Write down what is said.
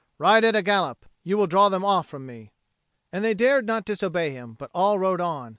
"Ride at a gallop. You will draw them off from me." And they dared not disobey him, but all rode on.